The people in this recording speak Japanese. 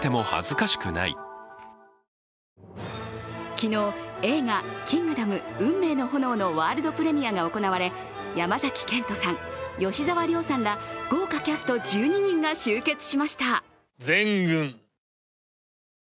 昨日、映画「キングダム運命の炎」のワールドプレミアが行われ、山崎賢人さん、吉沢亮さんら豪華キャスト１２人が集結しました。